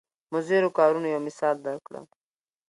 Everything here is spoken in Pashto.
مضرو کارونو یو مثال درکړم.